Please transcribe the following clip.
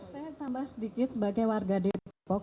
saya tambah sedikit sebagai warga depok